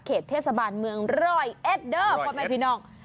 เทศบาลเมืองร้อยเอ็ดเดอร์พ่อแม่พี่น้อง